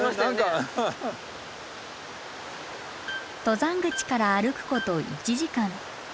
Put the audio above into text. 登山口から歩くこと１時間。